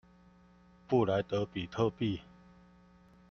布萊德比特幣